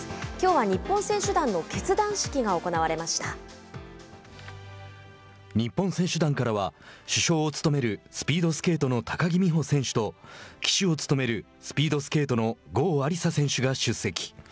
きょうは、日本選手団の日本選手団からは主将を務めるスピードスケートの高木美帆選手と旗手を務めるスピードスケートの郷亜里砂選手が出席。